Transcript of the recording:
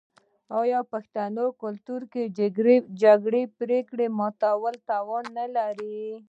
آیا د پښتنو په کلتور کې د جرګې پریکړه ماتول تاوان نلري؟